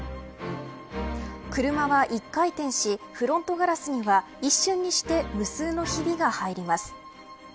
車は１回転しフロントガラスには一瞬にして無数のひびが入ります。